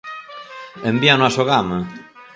¡Envíano a Sogama!